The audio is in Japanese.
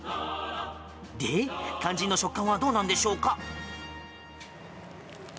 で、肝心の食感はどうなんでしょうか？